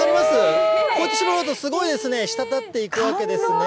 こうやって搾ると、すごいですね、滴っていくわけですね。